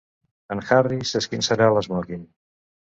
En Harry s'esquinçarà l'esmòquing.